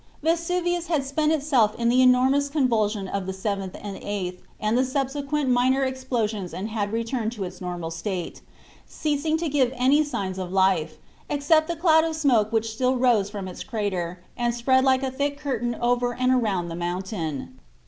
Vesuvius had spent itself in the enormous convulsion of the 7th and 8th and the subsequent minor explosions and had returned to its normal state, ceasing to give any signs of life, except the cloud of smoke which still rose from its crater and spread like a thick curtain over and around the mountain.